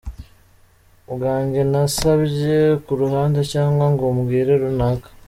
bwanjye ntasabye ku ruhande cyangwa ngo mbwire runaka.